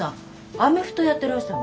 アメフトやってらしたの？